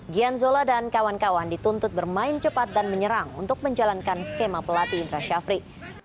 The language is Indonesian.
gian zola dan kawan kawan dituntut bermain cepat dan menyerang untuk menjalankan skema pelatih indra syafri